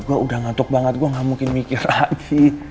gue udah ngantuk banget gue ga mungkin mikir lagi